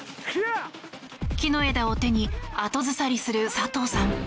木の枝を手に後ずさりする佐藤さん。